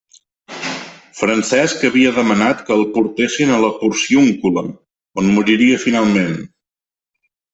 Francesc havia demanat que el portessin a la Porciúncula, on moriria finalment.